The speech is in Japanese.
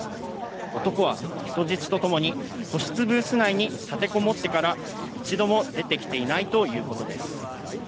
男は人質とともに個室ブース内に立てこもってから一度も出てきていないということです。